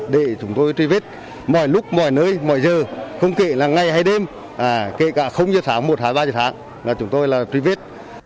để chúng tôi truy vết mọi lúc mọi nơi mọi giờ không kể là ngày hay đêm kể cả giờ tháng một hay ba giờ sáng là chúng tôi là truy vết